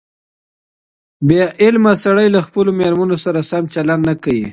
بې علمه سړي له خپلو مېرمنو سره سم چلند نه کوي.